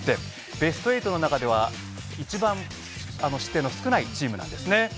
ベスト８の中では一番失点の少ないチームなんですね。